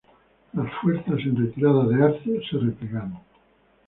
Las fuerzas en retirada de Arze se replegaron.